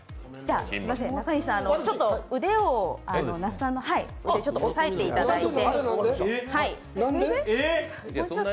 中西さん、那須さんの腕をおさえていただいて。